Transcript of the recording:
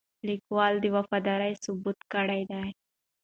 لیکوال دا وفاداري ثابته کړې ده.